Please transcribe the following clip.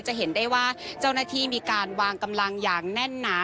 จะเห็นได้ว่าเจ้าหน้าที่มีการวางกำลังอย่างแน่นหนา